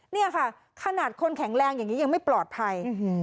นี่ค่ะขนาดคนแข็งแรงอย่างนี้ยังไม่ปลอดภัย